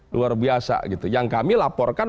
luar biasa gitu yang kami laporkan